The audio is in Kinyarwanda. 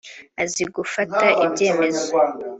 Azi gufata ibyemezo